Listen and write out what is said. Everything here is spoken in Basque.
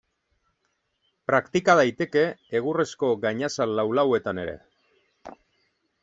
Praktika daiteke egurrezko gainazal lau-lauetan ere.